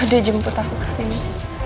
udah jemput aku kesini